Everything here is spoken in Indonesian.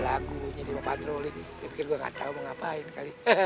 lagunya dibawa patroli dia pikir gue gak tau mau ngapain kali